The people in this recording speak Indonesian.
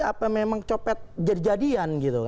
apa memang copet jadian